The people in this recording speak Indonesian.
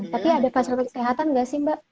tapi ada fasilitas kesehatan nggak sih mbak